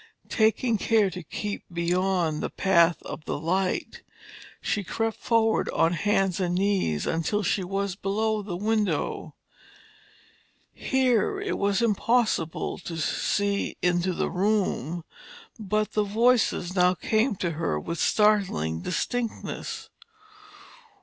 Taking care to keep beyond the path of the light, she crept forward on her hands and knees until she was below the window. Here it was impossible to see into the room, but the voices now came to her with startling distinctness.